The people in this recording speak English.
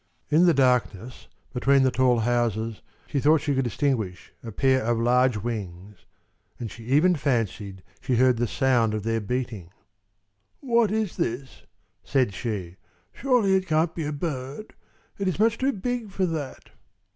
In the darkness, between the tall houses, she thought she could distinguish a pair of large wings, and she even fancied she heard the sound of their beating. "What is this?" said she. "Surely it can't be a bird! It is much too big for that."